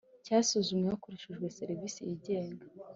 Cyasuzumwe hakoreshejwe serivisi yigenga